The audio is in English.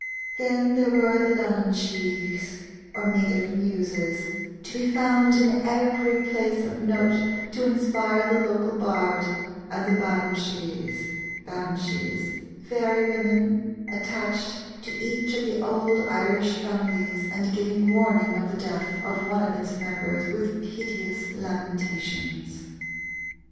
Then there were the Leannan sighes, or native Muses, to be found in every place of note to inspire the local bard, and the Beansighes (Banshees, fairy women) attached to each of the old Irish families and giving warning of the death of one of its members with piteous lamentations.